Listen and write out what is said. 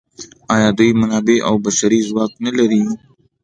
آیا دوی منابع او بشري ځواک نلري؟